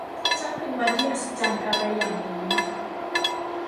ช่างเป็นวันที่อัศจรรย์อะไรอย่างนี้